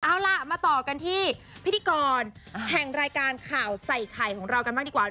เอาล่ะมาต่อกันที่พิธีกรแห่งรายการข่าวใส่ไข่ของเรากันบ้างดีกว่า